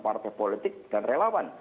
partai politik dan relawan